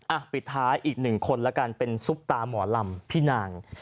ปิดท้ายอีกหนึ่งคนแล้วกันเป็นซุปตาหมอลำพี่นาง